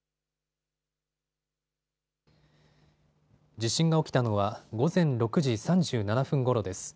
地震が起きたのは午前６時３７分ごろです。